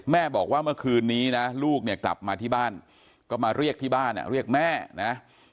บอกว่าเมื่อคืนนี้นะลูกเนี่ยกลับมาที่บ้านก็มาเรียกที่บ้านเรียกแม่นะ